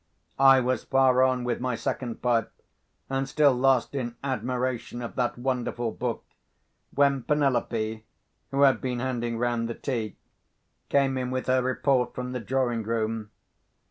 I was far on with my second pipe, and still lost in admiration of that wonderful book, when Penelope (who had been handing round the tea) came in with her report from the drawing room.